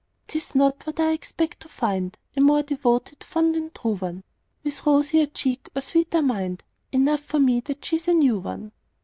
'Tis not that I expect to find A more devoted, fond and true one, With rosier cheek or sweeter mind Enough for me that she's a new one.